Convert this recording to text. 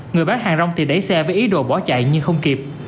người bán hàng rong thì đẩy xe với ý đồ bỏ chạy nhưng không kịp